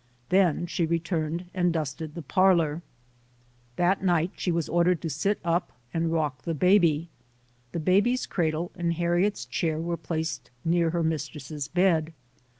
Then she returned and dusted the parlor. That night she was ordered to sit up and rock the baby. The baby's cradle and Harriet's chair were placed near her mistress's bed.